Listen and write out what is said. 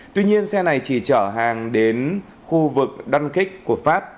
tuy nhiên xe này chỉ chở hàng đến khu vực dunkirk của pháp